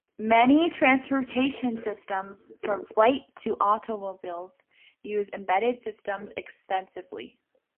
Many transportation systems from flight to automobiles use embedded systems extensively.